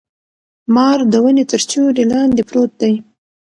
مار د ونې تر سیوري لاندي پروت دی.